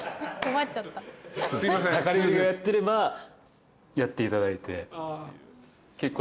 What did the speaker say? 量り売りをやってればやっていただいて。